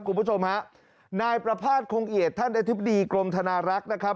คุณผู้ชมฮะนายประภาษณ์คงเอียดท่านอธิบดีกรมธนารักษ์นะครับ